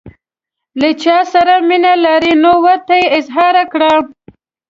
له چا سره مینه لرئ نو ورته یې اظهار کړئ.